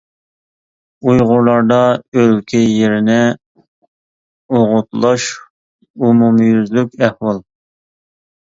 ئۇيغۇرلاردا ئۆلكە يېرىنى ئوغۇتلاش ئومۇميۈزلۈك ئەھۋال.